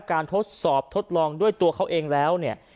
ทดสอบทดลองด้วยตัวเขาเองแล้วเนี่ย